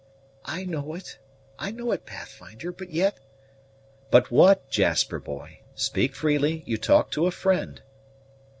"I know it I know it, Pathfinder; but yet " "But what, Jasper, boy? speak freely; you talk to a friend."